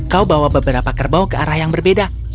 kau bawa beberapa kerbau ke arah yang berbeda